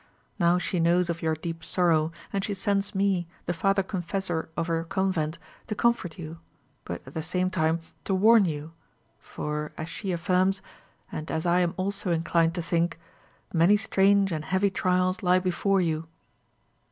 Now she knows of your deep sorrow, and she sends me, the father confessor of her convent, to comfort you, but at the same time to warn you; for, as she affirms, and as I am also inclined to think, many strange and heavy trials lie before you."